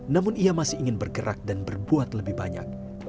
namun ia masih ingin bergerak dan berbuat lebih banyak